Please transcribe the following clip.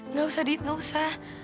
nggak usah dit nggak usah